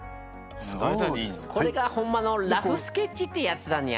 これがホンマのラフスケッチってやつだにゃ。